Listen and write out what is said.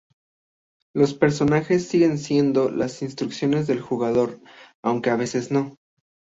Los personajes siguen las instrucciones del jugador, aunque a veces no.